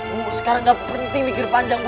bu sekarang gak penting mikir panjang bu